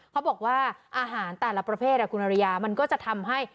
เขาบอกว่าอาหารแต่ละประเภทคุณอริยามันก็จะทำให้